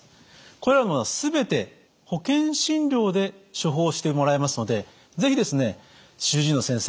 これらのものは全て保険診療で処方してもらえますので是非主治医の先生